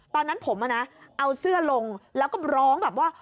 ตอนนั้นผมเอาเสื้อลงแล้วก็ร้องแบบว่า